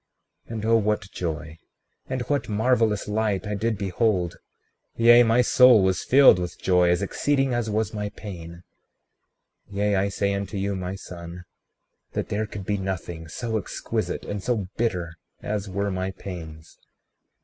36:20 And oh, what joy, and what marvelous light I did behold; yea, my soul was filled with joy as exceeding as was my pain! 36:21 Yea, I say unto you, my son, that there could be nothing so exquisite and so bitter as were my pains.